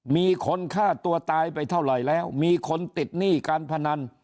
มีคนฆ่าตัวตายไปเท่าไหร่แล้วมีคนติดหนี้การพนัน